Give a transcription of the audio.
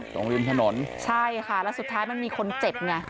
ตรงริมถนนใช่ค่ะแล้วสุดท้ายมันมีคนเจ็บไง